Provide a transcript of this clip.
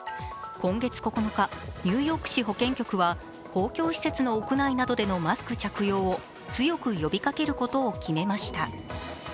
今月９日、ニューヨーク市保健当局は公共施設の屋内などでのマスク着用を強く呼びかけることを決めました。